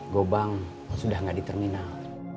gobang sudah tidak di terminal